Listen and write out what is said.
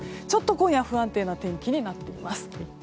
ちょっと今夜は不安定な天気になっています。